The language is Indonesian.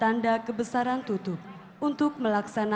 cinta ku menunjukkan